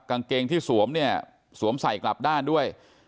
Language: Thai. กางเกงที่สวมเนี่ยสวมใส่กลับด้านด้วย